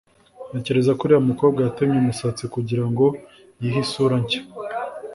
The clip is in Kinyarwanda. Ntekereza ko uriya mukobwa yatemye umusatsi kugirango yihe isura nshya